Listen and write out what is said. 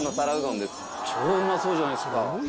超うまそうじゃないっすか。